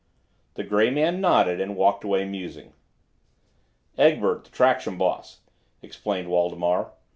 The gray man nodded, and walked away, musing. "Egbert, the traction boss," explained Waldemar.